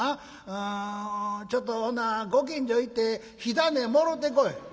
うんちょっとほなご近所行って火種もろうてこい」。